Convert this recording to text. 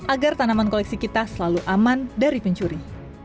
agar tanaman koleksi kita selalu aman dari pencuri